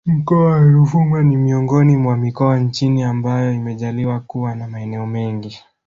Mkoa wa Ruvuma ni miongoni mwa mikoa nchini ambayo imejaliwa kuwa na maeneo mengi